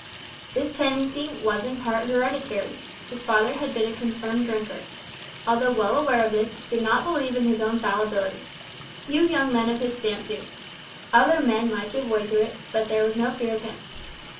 This tendency was in part hereditary. His father had been a confirmed drinker. Although well aware of this, he did not believe in his own fallibility. Few young men of his stamp do. Other men might give way to it, but there was no fear of him.